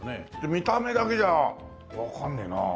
見た目だけじゃわかんねえな。